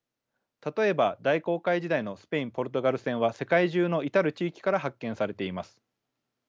例えば大航海時代のスペイン・ポルトガル船は世界中の至る地域から発見されています。